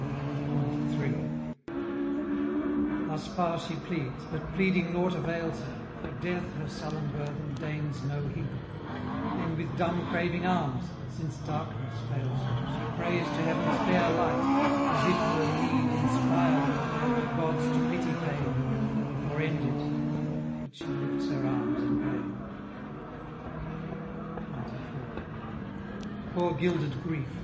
XCIII. Thus far she pleads, but pleading nought avails her, For Death, her sullen burthen, deigns no heed; Then with dumb craving arms, since darkness fails her, She prays to heaven's fair light, as if her need Inspired her there were Gods to pity pain, Or end it, but she lifts her arms in vain! XCIV. Poor gilded Grief!